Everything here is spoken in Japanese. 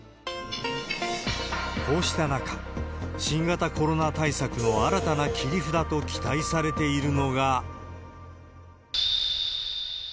こうした中、新型コロナ対策の新たな切り札と期待されているのが。